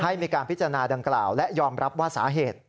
ให้มีการพิจารณาดังกล่าวและยอมรับว่าสาเหตุ